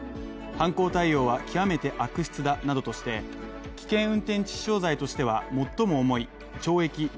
犯行態様は極めて悪質だなどとして危険運転致死傷罪としては最も重い懲役